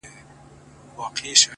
• چي وايي ـ